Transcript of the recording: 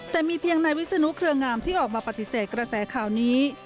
แต่มีเพียงนายวิศนุเครืองามที่ออกมาปฏิเสธกระแสข่าวนี้